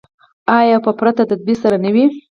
آیا او په پوره تدبیر سره نه وي؟